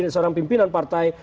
seorang pimpinan partai